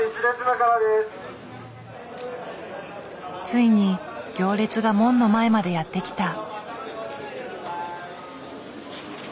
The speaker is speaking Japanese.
ついに行列が門の前までやって来た。